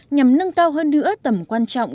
nhằm nâng cao hơn nữa tầm quan trọng